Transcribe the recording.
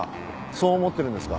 そう思ってるんですか？